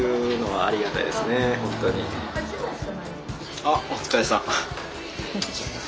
あっお疲れさん。